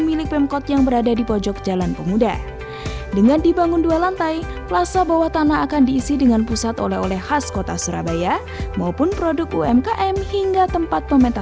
ini bukan sekedar untuk pasar saja tapi itu juga bisa jadi arena berkumpul warga